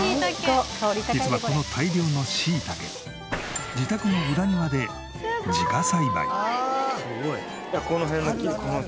実はこの大量の椎茸自宅の裏庭で自家栽培。